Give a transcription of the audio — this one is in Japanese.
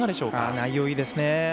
内容いいですね。